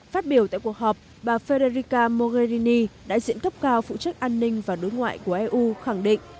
phát biểu tại cuộc họp bà ferreca mogherini đại diện cấp cao phụ trách an ninh và đối ngoại của eu khẳng định